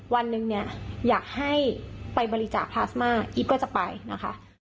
วันหนึ่งเนี่ยอยากให้ไปบริจาคพลาสมาอีฟก็จะไปนะคะ